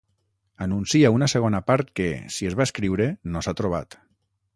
Anuncia una segona part que, si es va escriure, no s'ha trobat.